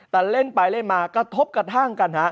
แต่เล่นไปเล่นมากระทบกระทั่งกันฮะ